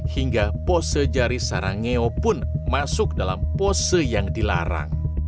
hingga pose jari sarangeo pun masuk dalam pose yang dilarang